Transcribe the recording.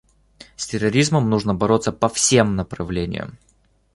С терроризмом нужно бороться по всем направлениям.